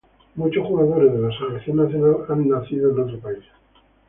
Muchos jugadores de la selección nacional son nacidos en otro país.